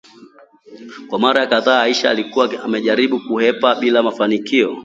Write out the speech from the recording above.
Kwa mara kadhaa, Aisha alikuwa amejaribu kuhepa bila mafanikio